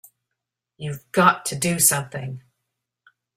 You've got to do something!